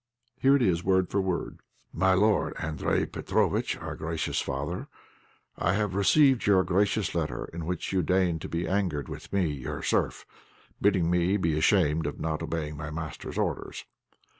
Here it is word for word "My lord, Andréj Petróvitch, our gracious father, I have received your gracious letter, in which you deign to be angered with me, your serf, bidding me be ashamed of not obeying my master's orders.